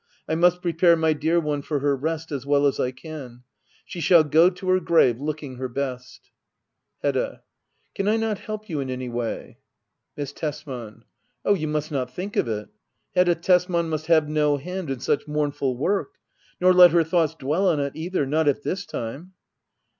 I must prepare my dear one for her rest as well as I can. She shall go to her grave looking her best. Digitized by Google act iv.] hedda oabler. 155 Hedda. Can I not help you in any way ? Miss Tesman. Oh^ you must not think of it ! Hedda Tesman must have no hand in such mournful work. Nor let her thoughts dwell on it either — not at this time.